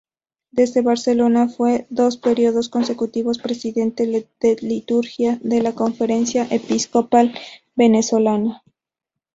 Desde Barcelona fue dos períodos consecutivos presidente de Liturgia de la Conferencia Episcopal Venezolana.